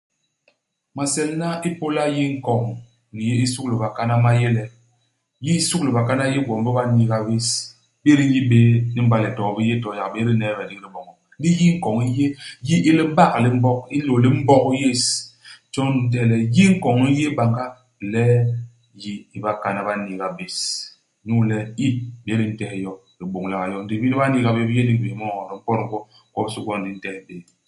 Maselna ipôla yi i nkoñ ni yi i suglu i bakana, ma yé le, yi i sukulu i bakana i yé gwom bi ba n'niiga bés ; bi di n'yi bé ni mbale too bi yé toy. Yak bés di n'neebe ndigi di boñok. Ndi yi i nkoñ i yé yi i libak li Mbog, i nlôl i Mbog yés. Jon di ntehe le yi i nkoñ i yé banga ilel yi i bakana ba n'niiga bés, inyu le i, bés di ntehe yo, di bôñliak yo. Ndi bini ba n'niiga bés, bi yé ndigi bés mu i ño. Di mpot gwo, gwobisô gwon di ntehe bé.